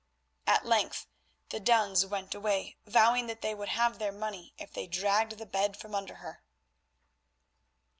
At length the duns went away vowing that they would have their money if they dragged the bed from under her.